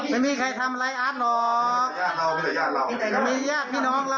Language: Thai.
ไม่มีใครทำไรอาร์ดหรอกเค้ามีที่อยากพี่น้องเล่าและ